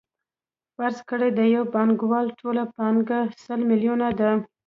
فرض کړئ د یو پانګوال ټوله پانګه سل میلیونه ده